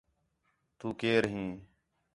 تُو کئیر ہیں؟